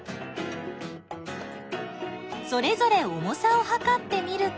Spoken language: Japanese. それぞれ重さをはかってみると。